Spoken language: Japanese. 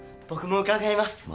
僕も伺います。